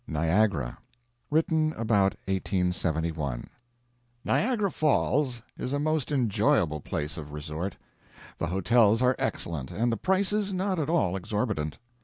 NIAGARA [ Written about 1871.] Niagara Falls is a most enjoyable place of resort. The hotels are excellent, and the prices not at all exorbitant.